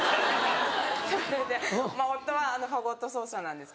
それで夫はファゴット奏者なんですけれど。